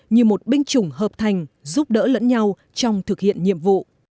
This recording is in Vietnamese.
như một binh chủng hợp thành giúp đỡ lẫn nhau trong thực hiện nhiệm vụ